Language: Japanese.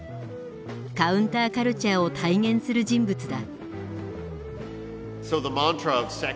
カウンターカルチャーを体現する人物だ。